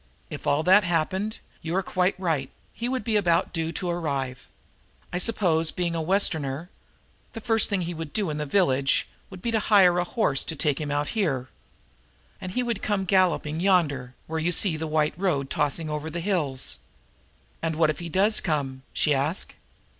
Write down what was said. "If all that happened, you are quite right; he would be about due to arrive. I suppose, being a Westerner, that the first thing he would do in the village would be to hire a horse to take him out here, and he would come galloping yonder, where you see that white road tossing over the hills." "And what if he does come?" she asked.